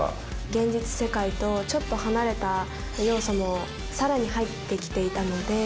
現実世界とちょっと離れた要素もさらに入ってきていたので。